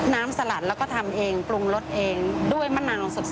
น้ำสลัดเนี่ยจะต้องหอมมากแน่